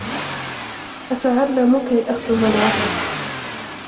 أَتُعْلَمُ كَيْ أَخْدُمَ الْوَطَنَ.